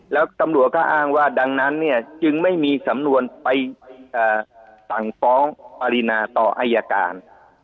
แล้วตำรวจก็อ้างว่าจึงไม่มีสำนวนไปสั่งฟ้องปารีนาต่ออัยการ